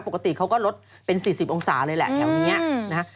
ปกติเขาก็ลดเป็น๔๐องศาเลยแหละแถวนี้นะฮะ